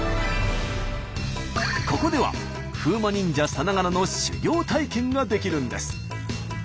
ここでは風魔忍者さながらの修行体験ができるんです。